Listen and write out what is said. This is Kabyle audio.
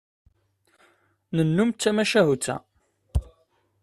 Nennum d tmacahut-a.